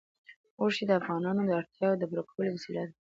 غوښې د افغانانو د اړتیاوو د پوره کولو وسیله ده.